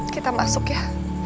kita masuk ya